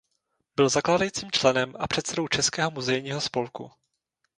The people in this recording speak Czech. Byl zakládajícím členem a předsedou Českého muzejního spolku.